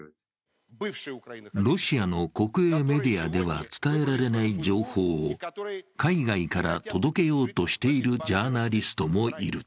ロシアの国営メディアでは伝えられない情報を海外から届けようとしているジャーナリストもいる。